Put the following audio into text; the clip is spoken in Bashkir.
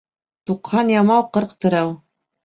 Туҡһан ямау, ҡырҡ терәү.